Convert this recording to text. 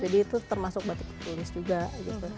jadi itu termasuk batik kunis juga gitu